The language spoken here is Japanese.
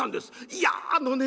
「いやあのね